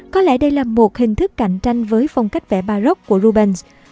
có lẽ đây là một hình thức cạnh tranh với phong cách vẽ baroque của rubens